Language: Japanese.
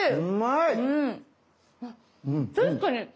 あ確かに。